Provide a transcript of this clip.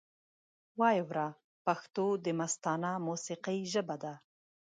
وایې وره پښتو دمستانه موسیقۍ ژبه ده